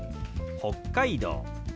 「北海道」。